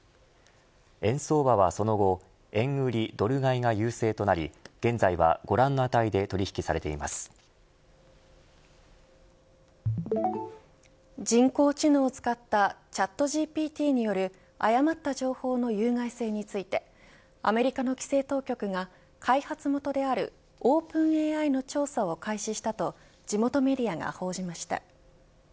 円相場はその後円売りドル買いが優勢となり現在は人工知能を使ったチャットＧＰＴによる誤った情報の有害性についてアメリカの規制当局が開発元であるオープンＡＩの調査を開始したと地元メディアが報じました。